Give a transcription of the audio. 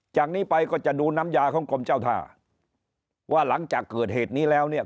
จากนี้ไปก็จะดูน้ำยาของกรมเจ้าท่าว่าหลังจากเกิดเหตุนี้แล้วเนี่ย